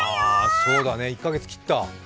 そうだね、１か月切った。